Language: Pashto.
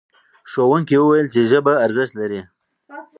ښوونکي وویل چې ژبه ارزښت لري.